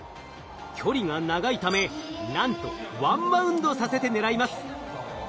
距離が長いためなんとワンバウンドさせて狙います。